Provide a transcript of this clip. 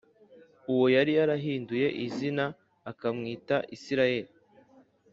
uwo yari yarahinduye izina akamwita Isirayeli